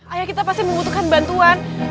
ayah kita pasti membutuhkan bantuan